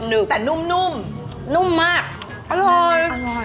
แต่นุ่มนุ่มมากอร่อย